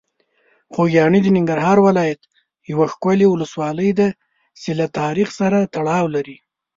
خوږیاڼي د ننګرهار ولایت یوه ښکلي ولسوالۍ ده چې له تاریخ سره تړاو لري.